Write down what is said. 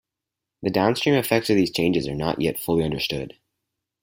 The downstream effects of these changes are not yet fully understood.